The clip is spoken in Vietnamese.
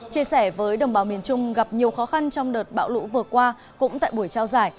chia sẻ với đồng bào miền trung gặp nhiều khó khăn trong đợt bão lũ vừa qua cũng tại buổi trao giải